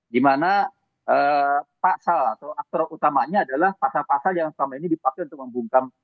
dimana pasal atau aktor utamanya adalah pasal pasal yang selama ini dipakai untuk membungkam